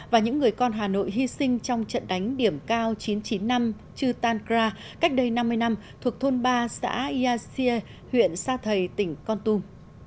và những người con hà nội hy sinh trong trận đánh điểm cao chín trăm chín mươi năm chutankra cách đây năm mươi năm thuộc thôn ba xã yassir huyện sa thầy tỉnh con tum